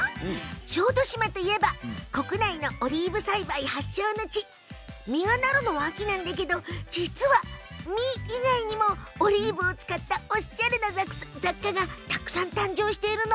小豆島といえば国内のオリーブ栽培発祥の地実がなるの秋なんだけど実、以外にもオリーブを使ったおしゃれな雑貨がたくさん誕生しているの。